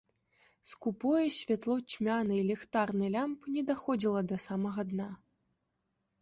Скупое святло цьмянай ліхтарнай лямпы не даходзіла да самага дна.